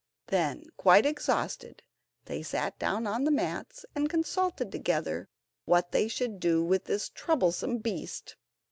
Then, quite exhausted, they sat down on the mats, and consulted together what they should do with this troublesome beast.